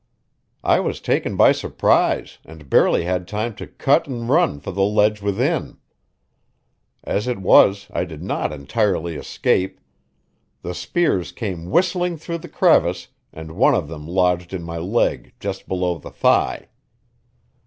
I was taken by surprise and barely had time to cut and run for the ledge within. As it was I did not entirely escape; the spears came whistling through the crevice, and one of them lodged in my leg just below the thigh.